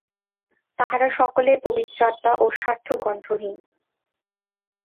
তাঁহারা সকলেই পবিত্রাত্মা ও স্বার্থগন্ধহীন।